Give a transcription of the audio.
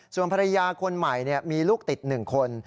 ส่วนภรรยาคนใหม่มีลูกติด๑คน